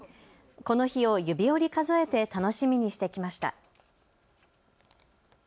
この日を指折り数えて楽しみにしてきました。